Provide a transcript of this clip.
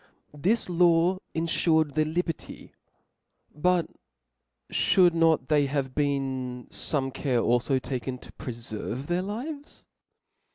This law infured their liberty ; but fhould not there have been fome care alfo taken to preferve their lives